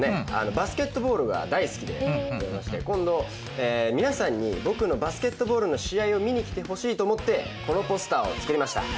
バスケットボールが大好きでございまして今度皆さんに僕のバスケットボールの試合を見に来てほしいと思ってこのポスターを作りました。